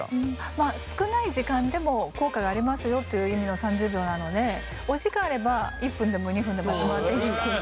まあ少ない時間でも効果がありますよという意味の３０秒なのでお時間あれば１分でも２分でもやってもらっていいんですけど。